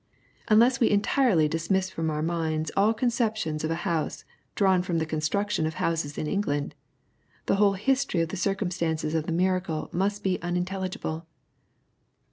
Unless we entirely dismiss from our minds all conceptions of a house drawn from the construction of houses in England, the whole history of the circumstances of the miracle must be unin telligible.